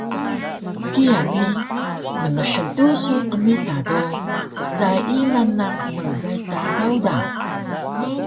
Kiya ni mnhdu su qmita do sai nanaq mgay Tadaw da